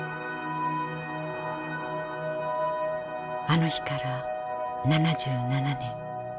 あの日から７７年。